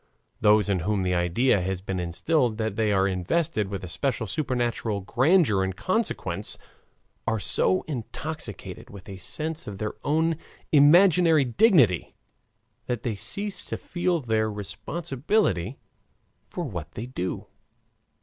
Those in whom the idea has been instilled that they are invested with a special supernatural grandeur and consequence, are so intoxicated with a sense of their own imaginary dignity that they cease to feel their responsibility for what they do.